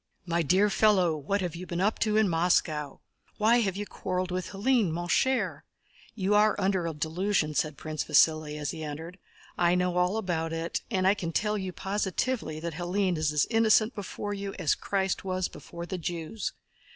"My dear fellow, what have you been up to in Moscow? Why have you quarreled with Hélène, mon cher? You are under a delusion," said Prince Vasíli, as he entered. "I know all about it, and I can tell you positively that Hélène is as innocent before you as Christ was before the Jews."